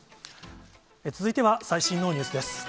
続いては最新のニュースです。